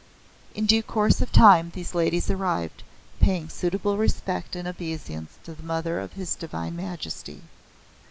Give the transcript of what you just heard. In due course of time these ladies arrived, paying suitable respect and obeisance to the Mother of his Divine Majesty.